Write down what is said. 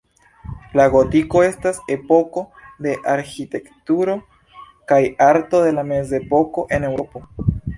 La gotiko estas epoko de arĥitekturo kaj arto de la mezepoko en Eŭropo.